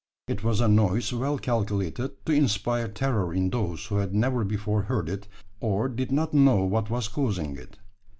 It was a noise well calculated to inspire terror in those who had never before heard it, or did not know what was causing it.